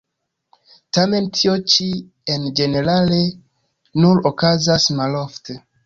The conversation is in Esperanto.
Tamen tio ĉi en ĝenerale nur okazas malofte.